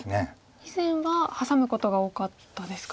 以前はハサむことが多かったですか？